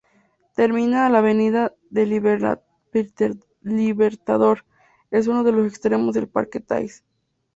Termina en la Avenida del Libertador, en uno de los extremos del Parque Thays.